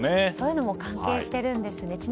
そういうのも関係しているんですね。